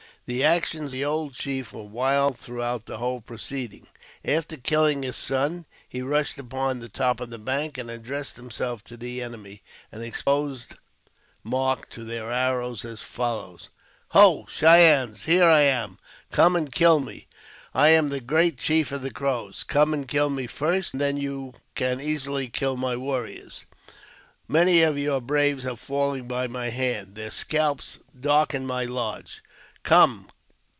The actions of the old chief , were wild throughout the whole proceeding. After killing his son, he rushed upon the top of the bank, and addressed ; himself to the enemy, an exposed mark to their arrows, as follows :" Ho, Cheyennes ! here I am ! come and kill me ! I am the great chief of the Crows. Come and kill me first, and then you can easily kill my warriors. Many of your braves have fallen by my hand ; their scalps darken my lodge. Come